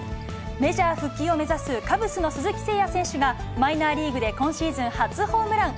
メジャー復帰を目指すカブスの鈴木誠也選手がマイナーリーグで今シーズン初ホームラン。